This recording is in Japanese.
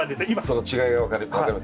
その違いが分かります。